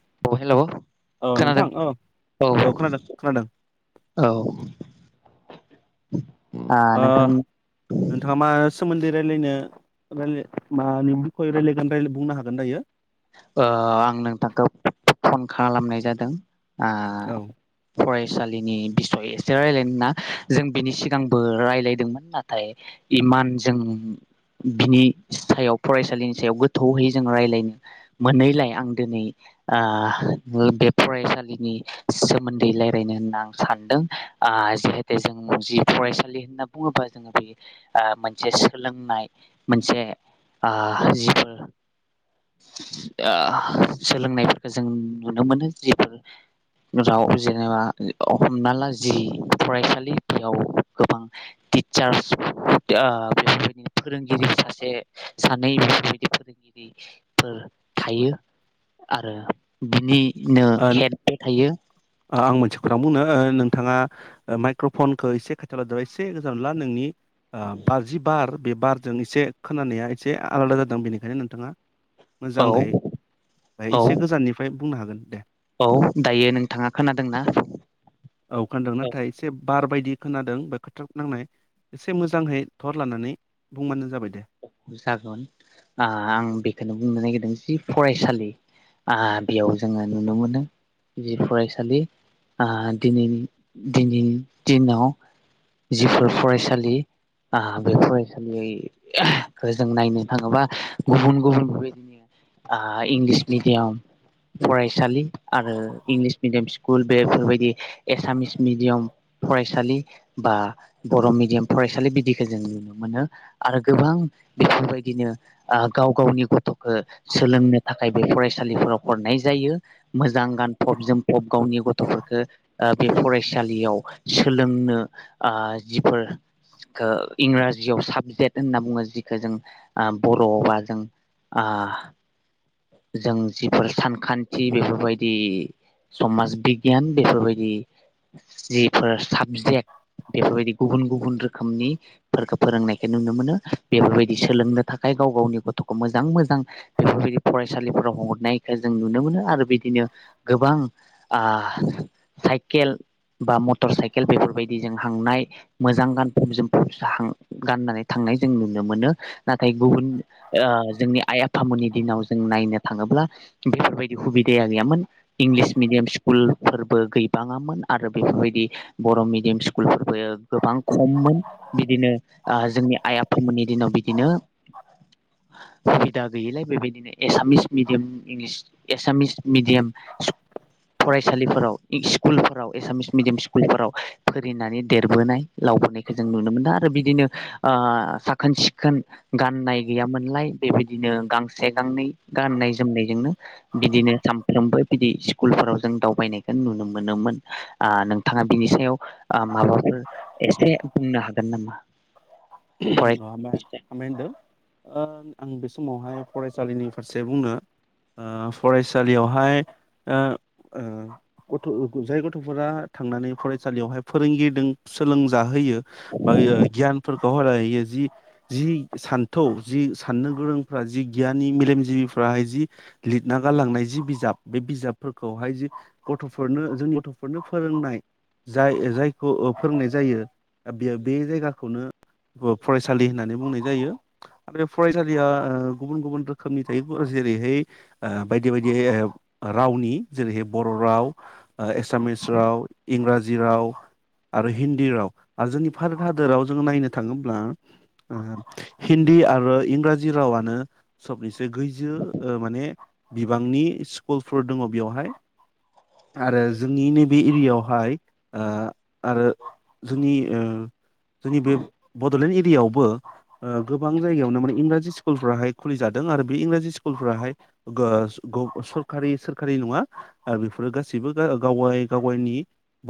अ hello? औ खोनादों नोंथां औ औ खोनादों खोनादों औ औ। [inaudible] ओ नोंथां नोंथाङा मा सोमोन्दो रायलायनो रायलाय मानि बिखय रायलायगोन बुंनो हागोन दायो। ओआं नोंथांखौ फन खालामनाय जादों। आ औ फय फरायसालिनि बिसय एसे रायलायनो होनना जों बिनि सिगांबो रायलायदोंमोन नाथाय इमान जों बिनि सायाव फरायसालिनि सायाव गोथौयै जों रायज्लायनो मोनैलाय आं दिनै ओ बो बे फरायसालिनि सोमोन्दै रायलायनो होनना आं सानदों। ओ जिहेते जों जि फरायसालि होनना बुङोबा जोङो बे ओ मोनसे सोलोंनाय मोनसे ओ जिफोर ओ सोलोंनायफोरखौ जों नुनो मोनो जिफोर राव जेनेबा ओ अ हमना ला जि फरायसालि बेयाव गोबां टिचार्स ओ बेफोरबायदि फोरोंगिरि सासे सानै बेफोरबायदि फोरोंगिरि फोर थायो आरो बिनिनो ओ हेडबो थायो आं मोनसे खोथ बुंनो नोंथाङा ओ माइक्र'फनखौ एसे खाथिङावलादोंब्ला एसे गोजान ला नोंनि ओ बार जि बार बे बारजों एसे खोनानाया एसे आलादा जादों बेनिखायनो नोंथाङा औ मोजां है बेय औ एसे गोजाननिफ्राय बुंनो हागोन। दे औ दायो नोंथाङा खोनादोंना? औ खोनादों औ। नाथाय एसे बार बायदि खोनादों बा खोथा नांनाय एसे मोजांहै धर लानानै बुंबानो जाबाय दे। जागोन आ आं बेखौनो बुंनो नागिरदों जि फरायसालि आ बेयाव जोङो नुनो मोनो जि फरायसालि आ दिनै दिनैनि दिनाव जिफोर फरायसालि आ बे फरायसालि जों नायनो थाङोबा गुबुन गुबुन बेबायदिनो आ इंलिस मिडियाम फरायसालि आरो इंलिस मिडियाम स्कुल बेफोरबायदि एसामिस मिडियाम फरायसालि बा बर' मिडियाम फरायसालि बिदिखौ जों नुनो मोनो। आरो गोबां बेफोरबायदिनो आ गाव गावनि गथ' फोर सोलोंनो थाखाय बे फरायसालिफोराव हरनाय जायो। मोजां गानफब जोमफब गावनि गथ'फोरखौ ओ बे फरायसालियाव सोलोंनो आ जिफोर जि खो इंराजियाव साबजेक्ट होनना बुङो जिख जों आ बर'बा जों आ जों जिफोर सानखान्थि बेफोरबायदि समाज बिगियान बेफोरबायदि जिफोर साबजेक्ट बेफोरबायदि गुबुन गुबुन रोखोमनि फोरखौ फोरोंनायखौ नुनो मोनो। बेफोरबायदि सोलोंनो थाखाय गाव गावनि गथ'खौ मोजां मोजां बेफोरबायदि फरायसालिफोराव हरनायखौ जों नुनो मोनो आरो बिदिनो गोबां आ साइकेल बा मटर साइकेल बेफोरबायदि जों हांनाय मोजां गानफ जोमफबां गाननानै थांनाय जों नुनो मोनो। नाथाय गुबुन ओ जोंनि आइ आफामोननि दिनाव नो थाङोब्ला बेफोरबायदि सुबिदाया गैयामोन। इंलिस मिडियाम स्कुलफोर बो गैबाङामोन आरो बेफोरबायदि बर' मिडियाम स्कुलफोरबो गोबां खममोन बिदिनो आ जोंनि आइ आफामोननि दिनाव बिदिनो सुबिदा गैयिलाय बेबायदिनो Assamese medium English Assamese medium सि फरायसालिफोराव इस्कुलफोराव एसामिस मिडियाम स्कुलफोराव फोरिनानै देरबोनाय लावबोनायखौ जों नुनो मोनदों आरो बिदिनो आ साखोन सिखोन गाननाय गैयामोनलाय बेबायदिनो गांसे गांनै गाननाय जोमनायजोंनो बिदिनो सानफ्रोमबो बिदि स्कुलफोराव जों दावबायनायखौ नुनो मोनोमोन। आ नोंथाङा बिनि सायाव आ माबाफोर एसे बुंनो हागोन नामा? अ फराय हामबाय हामबाय होनदों ओ आं बे समावहाय फरायसालिनि फारसे बुंनो ओ फरायसालियावहाय ओ ओ गथ' जाय गथ'फोरा थांनानै फरायसालियावहाय फोरोंगिरिदों सोलोंजाहोयो। बागै गियानफोर गहरायो जि जि सान्थौ जि साननो गोरोंफ्रा जि गियनि मेलेमजिबिफ्राहाय जि लिरना गारलांनाय जि बिजाब बे बिजाबफोरखौहाय जि गथ'फोरनो जोंनि गथ'फोरनो फोरोंनाय जाय जायखौ ओ फोरोंनाय जायो बेयो बे जायगाखौनो बोब फरायसालि होननानै बुंनाय जायो। आरो फरायसालिया ओ गुबुन गुबुन रोखोमनि थायोबु जेरैहाय ओ बायदि बायदियै ओ ओ रावनि जेरैहाय बर' ओ राव एसामिस राव इंराजि राव आरो हिन्दी राव आरो जोंनि भारत हादराव जों नायनो थाङोब्ला ओ हिन्दी आरो इंराजि रावानो सबैसो गैजो माने बिबांनि स्कुलफोर दङ बेयावहाय आरो जोंनि नेम बे एरियावहाय ओ आरो जोंनि ओ जोंनि बे बड'लेण्ड एरियावबो ओ‌ गोबां जायगायावनो माने इंराजि स्कुलफोराहाय खुलिजादों आरो बे इंराजि स्कुलफोराहाय गो गौ सरखारि सोरखारि नङा आरो बेफोरो गासैबो गा गावाय गावायनि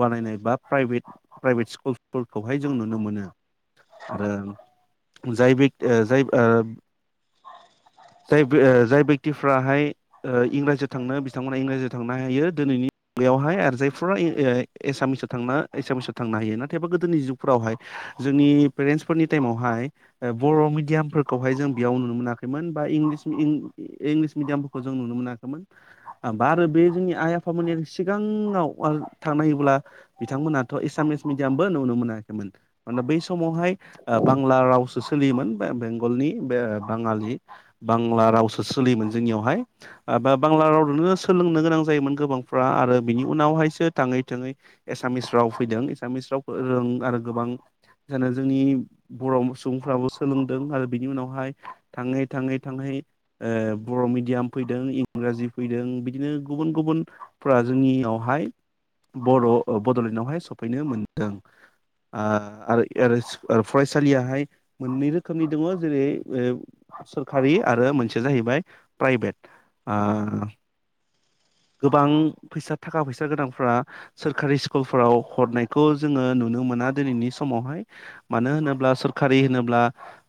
बानायनाय बा प्राइभेट प्राइभेट स्कुलफोरखौहाय जों नुनो मोनो। आरो जाय बेख ओ जाय ओ जाय बो ओ जाय बेक्तिफ्राहाय ओ इंराजियाव थांनो बिथांमोनहा इंराजियाव थांनो हायो दिनैनि मुगायावहाय आरो जायफोरा इ ओ एसामिसाव थांनो एसामिसाव थांनो हायो नाथायबा गोदोनि जुगफोरावहाय जोंनि पेरेन्टसफोरनि टाइमावहाय ओ बर' मिडियामफोरखौहाय जों बेयाव नुनो मोनाखैमोन बा इंलिस मि इं इंलिस मिडियामफोरखौ जों नुनो मोनाखैमोन बा आरो बे जोंनि आइ आफामोननि आर सिगाङाव आर थांनायोबोला बिथांमोनहाथ' एसामिस मिडियामबो नुनो मोनाखैमोन। मानोना बै समावहाय ओ बांला राव सोलियोमोन बे बेंगलनि बे बाङालि बांला रावसो सोलियोमोन जोंनियावहाय ओ बांला रावजोंनो सोलोंनो गोनां जायोमोन गोबांफ्रा आरो बिनि उनावहायसो थाङै थुङै एसामिस राव फैदों एसामिस रावखो रों आरो गोबां जानो जोंनि बर' सुबुंफ्राबो सोलोंदों आरो बिनि उनावहाय थाङै थाङै थाङै ओ बर' मिडियाम फैदों इंराजि फैदों बिदिनो गुबुन गुबुन फ्रा जोंनियावहाय बर' ओ बड'लेण्डआवहाय सफैनो मोनदों। आ आरो एरोस आर फरायसालियाहाय मोननै रोखोमनि दङ जेरै ओ सोरखारि आरो मोनसेया जाहैबाय प्राइभेट। आ गोबां फैसा थाखा फैसा गोनांफ्रा सोरखारि स्कुलफोराव हरनायखौ जोङो नुनो मोना दिनैनि सम समावहाय मानो होनोब्ला सरखारि होनोब्ला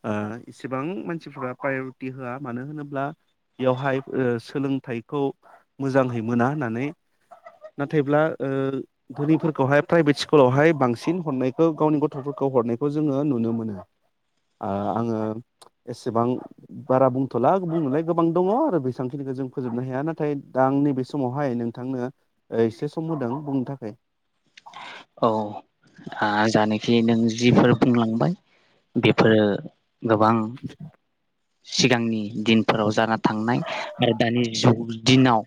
ओ इसेबां मानसिफोरा प्रायरिटि होया मानो होनोब्ला बेयावहाय ओ सोलोंथाइखौ मोजांहै मोना होननानै नाथायब्ला ओ धनिफोरखौहाय प्राइभेट स्कुलावहाय बांसिन हरनायखौ गावनि गथ' गथ'फोरखौ हरनायखौ जोङो नुनो मोनो आ आङो एसेबां बारा बुंथ'ला बुंनोलाय गोबां दङ आरो बेसांखिनिखौ जों फोजोबनो हाया नाथाय दा आं नैबे समावहाय नोंथांनो एसे सम होदों बुंनो थाख फै औ आ जानाखि नों जिफोर बुंलांबाय बेफोरो गोबां सिगांनि दिनफोराव जाना थांनाय आरो दानि ज दिनाव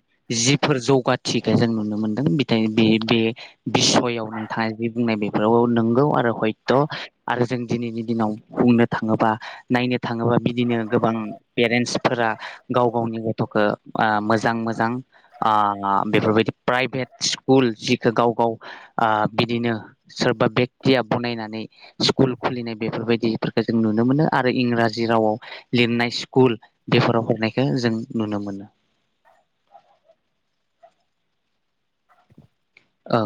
जिफोर जौगाथिखो जों नुनो मोनदों बिथाय दे दे बिससयाव नोंथाया जि बुंनाय बेफोराव नोंगौ आरो हयथ' आरो जों दिनैनि दिनाव बुंनो थाङोबा नायनो थाङोबा बिदिनो गोबां पेरेन्टसफोरा गाव गावनि गथ'खौ आ मोजां मोजां आ बेफोरबायदि प्राइभेट स्कुल जिखौ गाव गाव आ बिदिनो सोरबा बेक्तिया बनायनानै स्कुल खुलिनाय बेफोरबायदिफोरखौ जों नुनो मोनो आरो इंराजि रावाव लिरनाय स्कुल बेफोराव हरनायखौ जों नुनो मोनो [inaudible] औ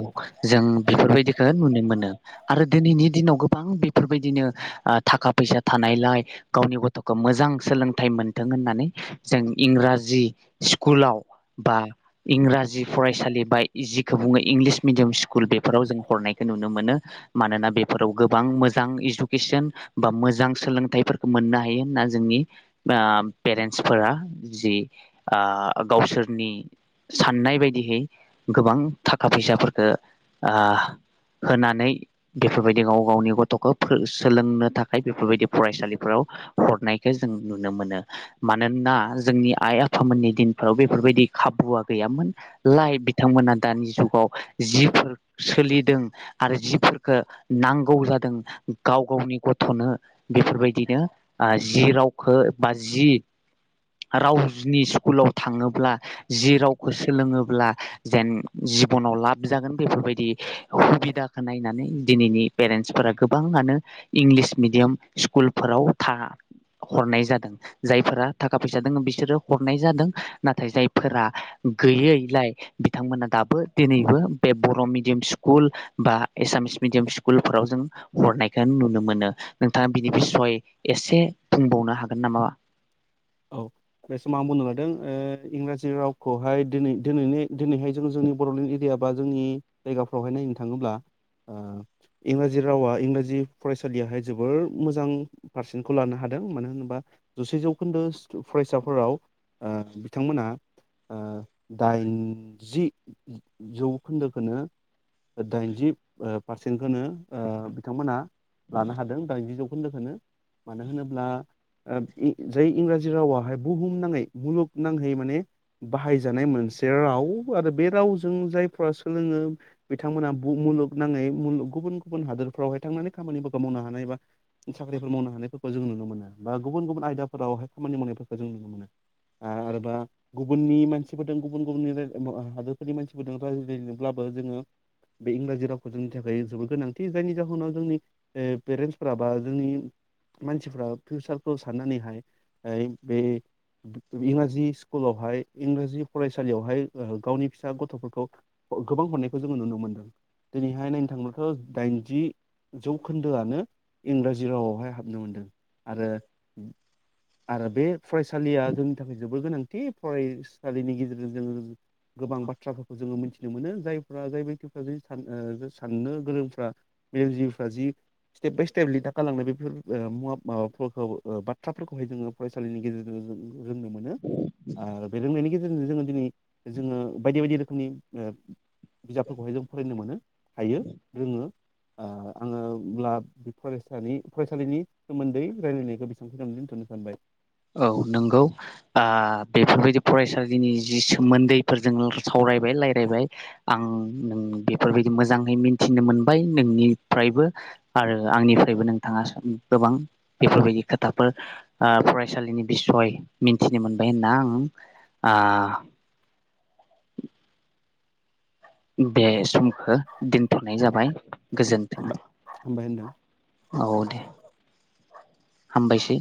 जों बेफोरबायदिखौ नुनो मोनो आरो दिनैनि दिनाव गोबां बेफोरबायदिनो आ थाखा फैसा थानायलाय गावनि गथ'खौ मोजां सोलोंथाइ मोनथों होननानै जों इंराजि स्कुलाव बा इंराजि फरायसालि फाय इजिख खौ बुङो इंलिस मिडियाम स्कुल बेफोराव जों हरनायखौ नुनो मोनो मानोना बेफोराव गोबां मोजां इडुकेसन बा मोजां सोलोंथाइफोर मोननो हायो होनना जोंनि आ पेरेन्टसफोरा जि ओ गावसोरनि साननाय बायदिहै गोबां थाखा फैसाफोरखौ ओ होनानै बेफोरबायदि गाव गावनि गथ'खौ फो सोलोंनो थाखाय बेफोरबायदि फरायसालिफोराव हरनायखौ जों नुनो मानोना जोंनि आइ आफामोननि दिनफ्राव बेफोरबायदि खाबुआ गैयामोन। लाय बिथांमोना नि जुगाव जिफोर सोलिदों आरो जिफोरखौ नांगौ जादों गाव गावनि गथ'नो बेफोरबायदिनो ओ जि रावखौ बा जि रावनि स्कुलाव थाङोब्ला जि रावखौ सोलोङोब्ला जेन जिब'नाव लाब जागोन बेफोरबायदि हुबिदाखौ नायनानै दिनैनि पेरेन्टसफोरा गोबाङानो इंलिस मिडियाम स्कुलफोराव था हरनाय जादों जायफोरा थाखा फैसा दोङो बिसोरो हरनाय जादों नाथाय जायफोरा गैयैलाय बिथांमोना दाबो दिनैबो बे बर' मिडियाम स्कुल बा एसामिस मिडियाम स्कुलफोराव जों हरनायखौ नुनो मोनो नोंथाङा बिनि बिसय एसे बुंबावनो हागोन नामा? औ बे समाव आं बुंनो लादों ओ इंराजि रावखौहाय दोनैै-दोनैनि-दोनैहाय जों जोंनि बड'लेण्ड एरिया बा जोंनि जायगाफ्रावहाय नायनो थाङोब्ला ओ इंराजि रावा इंराजि फरायसालियाहाय जोबोर मोजां पारसेन्टखौ लानो हादों मानो होनोबा जौसे जौ जौखोन्दो फरायसाफोराव ओ बिथांमोना ओ दाइनजि जौखोन्दोखौनो ओ दाइनजि ओ पारसेन्टखौनो ओ बिथांमोनहा लानो हादों दाइनजि जौ खोन्दोखौनो मानो होनोब्ला ओ इ जाय इंराजि रावाहाय बुहुम नाङै मुलुगनाङै माने बाहायजानाय मोनसे राव आरो बे रावजों जायफोरा सोलोङो बिथांमोना बु मुलुगनाङै मुुलुग गुबुन गुबुन हादोरफ्रावहाय थांनानै खामानिफोरखौ मावनो हानाय बा साख्रिफोर मावनो हानायफोरखौ जों नुनो मोनो बा गुबुन गुबुन आयदा फोरावहाय खामानि मावनायफोरखौ जों नुनो मोनो आ आरोबा गुबुननि मानसिफोरजों गुबुन गुबुननि [unintelligible] हादोरफोरनि मानसिफोरजों रायज्लायनोब्लाबो जोङो बे इंराजि रावखौ जोंनि थाखाय जोबोर गोनांथि जायनि जाहोनाव जोंनि ओ पेरेन्टसफोरा बा जोंनि मानसिफ्रा फिउसारखौ साननानैहाय ओइ बे इंराजि स्कुलावहाय इंराजि फरायसालियावहाय ओ गावनि फिसा गथफोरखौ गोबां हरनायखौ जोङो नुनो मोन्दों दिनैहाय नायनो थांबोलाथ दाइनजि जौखोन्दोआनो इंराजि रावावहाय हाबनो मोन्दों आरो आरो बे फरायसालि या जोंनि थाखाय जोबोद गोनांथि फरायसालिनि गेजेरजों जोङो गोबां बाथ्राफोरखौ जोङो मिथि नो मोनो जायफ्रा जाय [unintelligible] सान ओ साननो गोरोंफ्रा मेलम जिबिफ्रा जि स्टेप बाय स्टेप लिरना गालांनाय बेफोर [unintelligible] [unintelligible] फरायसालिनि गेजेरजों जों रोंनो मोनो आरो बे रोंनायनि गेजेरजों जोङो दिनै जोङो बायदि बायदि रोखोमनि ओ बिजाबफोरखौहाय जों फरायनो मोनो हायो रोङो ओ आङोब्ला बे फरायसानि फरायसालिनि सोमोन्दै रायलायनायखौ बेसेबांखिनिआवनो दोन्थनि [unintelligible] औ नंगौ आ बेफोरबायदि फरायसालिनि जि सोमोन्दैफोर जों सावरायबाय रायलायबाय आं नों बेफोरबायदि मोजाङै मिथिनो मोनबाय नोंनिफ्रायबो आरो आंनिफ्रायबो नोंथाङा गोबां बेफोरबायदि खोथाफोर ओ फराय सालिनि बिसय मिथिनो मोनबाय होनना आं आ बे सम खो दोनथनाय जाबाय गोजोन्थों हामबाय होनदों। औ दे हामबायसै